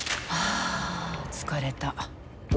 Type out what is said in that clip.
あ疲れた。